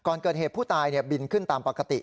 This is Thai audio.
ก่อนเกิดเหตุผู้ตายบินขึ้นตามปกติ